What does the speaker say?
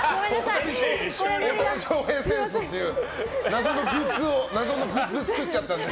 大谷翔平せんすという謎のグッズ作っちゃったので。